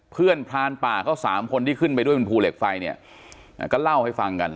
พรานป่าเขาสามคนที่ขึ้นไปด้วยบนภูเหล็กไฟเนี่ยก็เล่าให้ฟังกัน